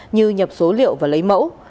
như nhập số liệu và lấy mẫu